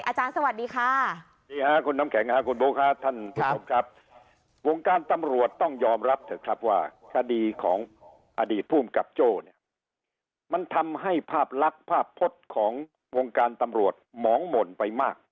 อาจารย์สวัสดีค่ะ